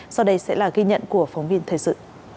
sau đây sẽ là ghi nhận của phóng viên thời sự